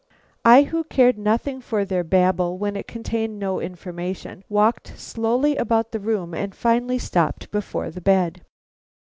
I, who cared nothing for their babble when it contained no information, walked slowly about the room and finally stopped before the bed.